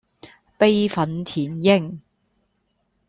悲憤填膺